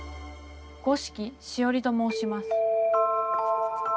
五色しおりと申します。